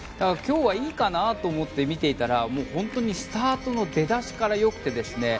今日はいいかなと思って見ていたら本当にスタートの出だしからよくて。